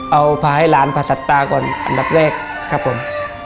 เอาพาให้หลานผ่าตัดตาก่อนอันดับแรกครับผม